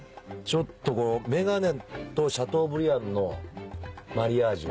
ちょっとメガネとシャトーブリアンのマリアージュ。